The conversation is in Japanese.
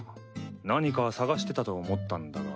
何か探してたと思ったんだが。